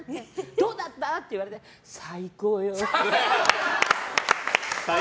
どうだった？って言われて最高よって。